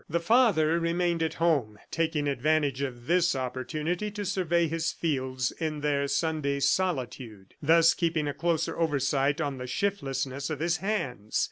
The father remained at home, taking advantage of this opportunity to survey his fields in their Sunday solitude, thus keeping a closer oversight on the shiftlessness of his hands.